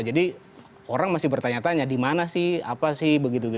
jadi orang masih bertanya tanya di mana sih apa sih begitu